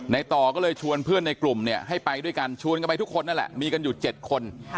ต่อก็เลยชวนเพื่อนในกลุ่มเนี่ยให้ไปด้วยกันชวนกันไปทุกคนนั่นแหละมีกันอยู่๗คน